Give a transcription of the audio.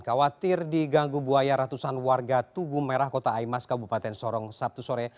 khawatir diganggu buaya ratusan warga tugu merah kota aimas kabupaten sorong sabtu sore